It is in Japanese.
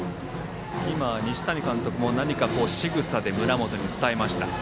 西谷監督もしぐさで村本に伝えました。